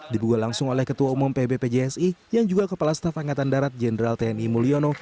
dibuka langsung oleh ketua umum pbpjsi yang juga kepala staf angkatan darat jenderal tni mulyono